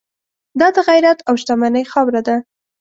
دا د غیرت او شتمنۍ خاوره ده.